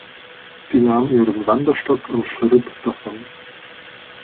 Sie nahm ihren Wanderstock und schritt davon.